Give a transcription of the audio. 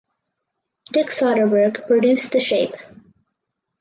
Dick Soderberg produced the shape.